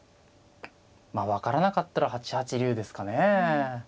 まあ分からなかったら８八竜ですかね。